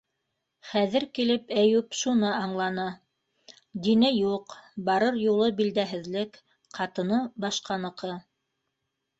Хәҙер килеп, Әйүп шуны аңланы: дине юҡ, барыр юлы - билдәһеҙлек, ҡатыны - башҡаныҡы.